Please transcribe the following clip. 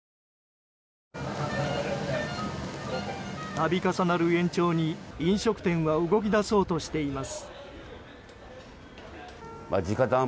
度重なる延長に、飲食店は動き出そうとしています。